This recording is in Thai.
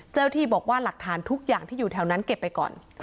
เจ้าที่บอกว่าหลักฐานทุกอย่างที่อยู่แถวนั้นเก็บไปก่อน